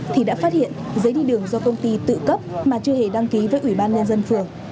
thì đã phát hiện giấy đi đường do công ty tự cấp mà chưa hề đăng ký với ủy ban nhân dân phường